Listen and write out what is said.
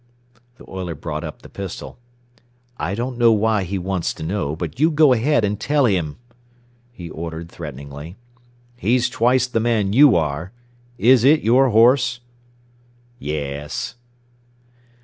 The oiler brought up the pistol. "I don't know why he wants to know, but you go ahead and tell him!" he ordered threateningly. "He's twice the man you are. Is it your horse?" "Yes."